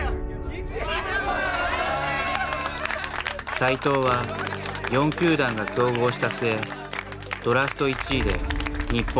斎藤は４球団が競合した末ドラフト１位で日本ハムへ。